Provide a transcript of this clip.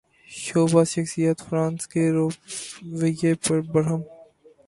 showbiz شخصیات France کے رویے پر برہم